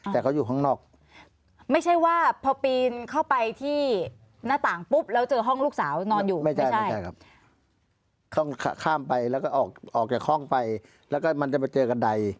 แต่เขาอยู่ข้างนอกไม่ใช่ว่าพอปีนเข้าไปที่หน้าต่างปุ๊บ